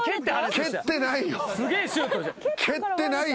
蹴ってないよ。